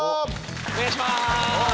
お願いします。